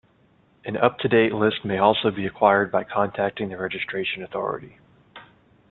An up-to-date list may also be acquired by contacting the registration authority.